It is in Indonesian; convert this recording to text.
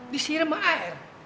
disirem emang air